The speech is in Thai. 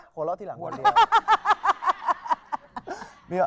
หัวเราะทีหลังก่อนเลย